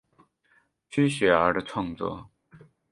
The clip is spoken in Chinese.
区雪儿的创作。